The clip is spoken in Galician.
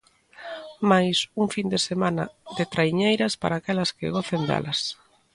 Máis un fin de semana de traiñeiras para aqueles que gocen delas.